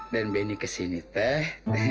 den benny kesini teh